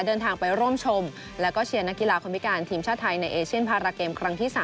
เดินทางไปร่วมชมแล้วก็เชียร์นักกีฬาคนพิการทีมชาติไทยในเอเชียนพาราเกมครั้งที่๓